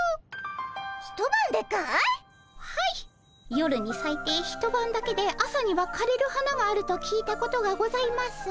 夜にさいて一晩だけで朝にはかれる花があると聞いたことがございます。